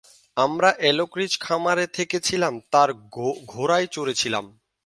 আমরা Elk Ridge খামারে থেকেছিলাম আর ঘোড়ায় চড়েছিলাম।